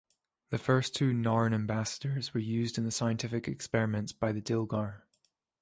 The first two Narn ambassadors were used in scientific experiments by the Dilgar.